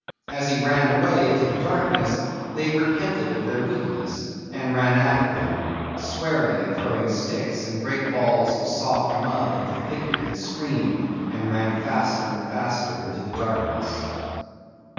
As he ran away into the darkness they repented of their weakness and ran after him, swearing and throwing sticks and great balls of soft mud at the figure that screamed and ran faster and faster into the darkness.